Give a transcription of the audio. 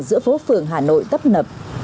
giữa phố phường hà nội tấp nập